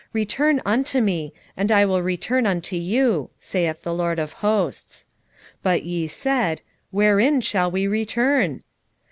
Return unto me, and I will return unto you, saith the LORD of hosts. But ye said, Wherein shall we return?